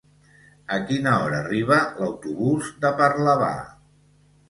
A quina hora arriba l'autobús de Parlavà?